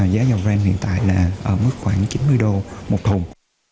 giá dầu brand hiện tại là ở mức khoảng chín mươi đô một thùng